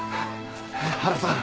原さん。